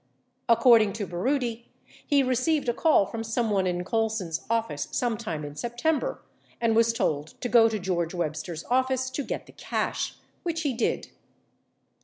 81 According to Baroody, he received a call from someone in Colson's office some time in September and was told to go to George Webster's office to get the cash, which he did.